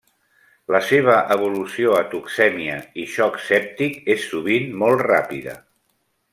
La seva evolució a toxèmia i xoc sèptic és sovint molt ràpida.